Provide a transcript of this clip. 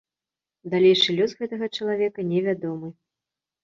Далейшы лёс гэтага чалавека невядомы.